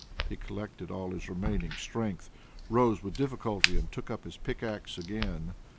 He collected all his remaining strength, rose with difficulty and took up his pickaxe again.